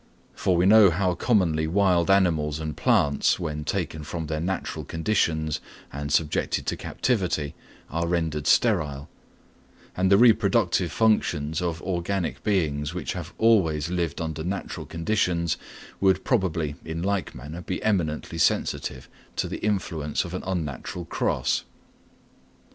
For we know how commonly wild animals and plants, when taken from their natural conditions and subjected to captivity, are rendered sterile; and the reproductive functions of organic beings which have always lived under natural conditions would probably in like manner be eminently sensitive to the influence of an unnatural cross.